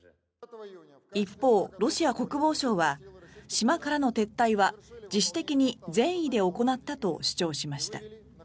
一方、ロシア国防省は島からの撤退は自主的に善意で行ったと主張しました。